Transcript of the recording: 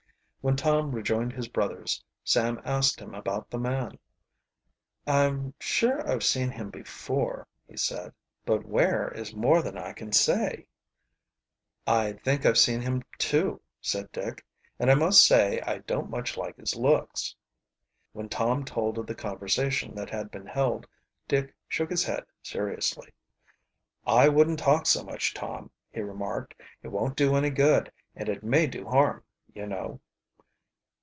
When Tom rejoined his brothers Sam asked him about the man. "I'm sure I've seen him before," he said. "But where is more than I can say." "I think I've seen him, too," said Dick. "And I must say I don't much like his looks." When Tom told of the conversation that had been held, Dick shook his head seriously. "I wouldn't talk so much, Tom," he remarked. "It won't do any good, and it may do harm, you know."